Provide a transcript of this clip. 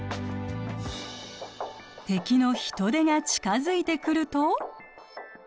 敵のヒトデが近づいてくると。